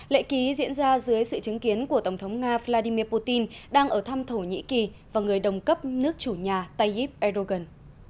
lễ ký diễn ra dưới sự chứng kiến của tổng thống nga vladimir putin đang ở thăm thổ nhĩ kỳ và người đồng cấp nước chủ nhà tay erdogan